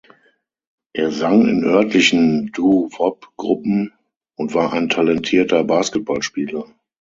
Er sang in örtlichen Doo-Wop-Gruppen und war ein talentierter Basketballspieler.